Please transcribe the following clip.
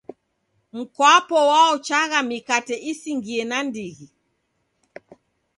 Mkwapo waochagha mikate isingie nandighi.